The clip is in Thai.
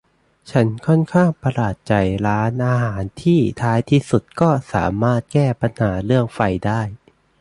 ฉันค่อนข้างประหลาดใจร้านอาหารที่ท้ายที่สุดก็สามารถแก้ปัญหาเรื่องไฟได้